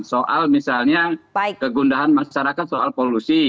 soal misalnya kegundahan masyarakat soal polusi